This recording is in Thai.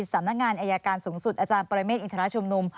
สำนักงานอายการสูงสุดอาจารย์ปรเมฆอินทรชุมนุม